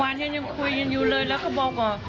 บางวันฉันยังคุยยังอยู่เลยแล้วก็บอกว่า